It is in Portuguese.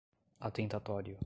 atentatório